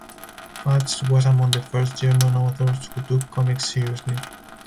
Fuchs was among the first German authors who took comics seriously.